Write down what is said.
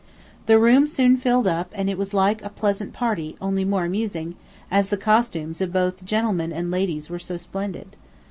The room soon filled up and it was like a pleasant party, only more amusing, as the costumes of both gentlemen and ladies were so splendid.